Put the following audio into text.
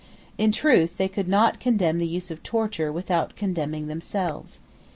In truth, they could not condemn the use of torture without condemning themselves.